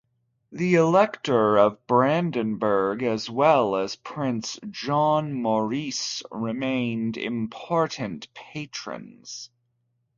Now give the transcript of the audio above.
The Elector of Brandenburg as well as Prince John Maurice remained important patrons.